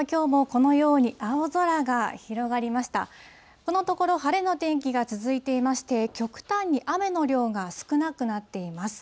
このところ、晴れの天気が続いていまして、極端に雨の量が少なくなっています。